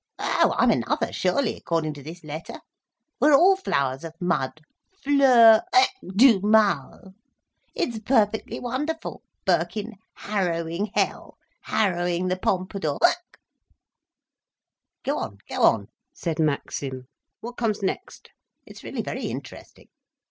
"Oh, I'm another, surely, according to this letter! We're all flowers of mud—fleurs—hic! du mal! It's perfectly wonderful, Birkin harrowing Hell—harrowing the Pompadour—Hic!" "Go on—go on," said Maxim. "What comes next? It's really very interesting."